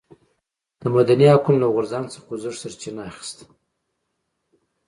د مدني حقونو له غورځنګ څخه خوځښت سرچینه اخیسته.